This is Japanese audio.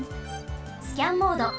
スキャンモード。